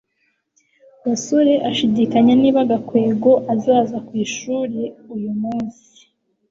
gasore ashidikanya niba gakwego azaza ku ishuri uyu munsi